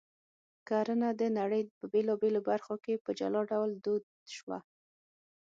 کرنه د نړۍ په بېلابېلو برخو کې په جلا ډول دود شوه